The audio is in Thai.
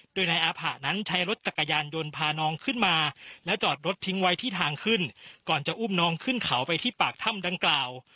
โดยนายอาผะนั้นใช้รถจักรยานยนต์พาน้องขึ้นมาแล้วจอดรถทิ้งไว้ที่ทางขึ้นก่อนจะอุ้มน้องขึ้นเขาไปที่ปากถ้ำดังกล่าว